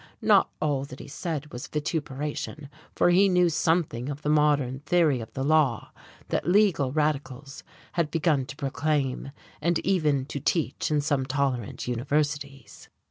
Not all that he said was vituperation, for he knew something of the modern theory of the law that legal radicals had begun to proclaim, and even to teach in some tolerant universities.